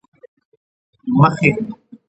مخې،